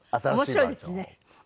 面白いですね。